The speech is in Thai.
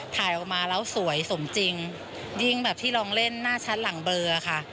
ถ่ายออกมาแล้วสวยสมจริงยิ่งแบบที่ลองเล่นหน้าชัดหลังเบอร์ค่ะ